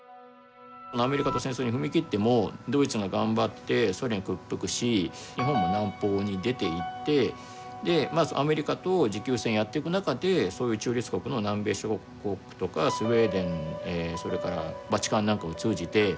アメリカと戦争に踏み切ってもドイツが頑張ってソ連屈服し日本も南方に出ていってまずアメリカと持久戦やっていく中でそういう中立国の南米諸国とかスウェーデンそれからバチカンなんかを通じて和平交渉でなんとかアメリカと手打ちに持っていける